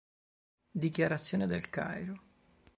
Dichiarazione del Cairo